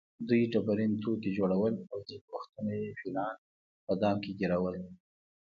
دوی ډبرین توکي جوړول او ځینې وختونه یې فیلان په دام کې ګېرول.